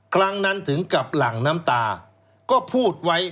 ครั้งนั้นถึงกับหลั่งน้ำตาก็พูดไว้